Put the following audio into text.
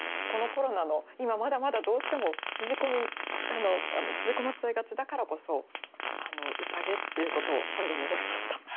このコロナの今まだまだどうしても縮こまっちゃいがちだからこそ宴っていうことを最後に思いました。